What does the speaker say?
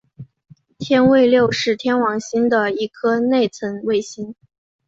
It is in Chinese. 天卫六是天王星的一颗内层卫星。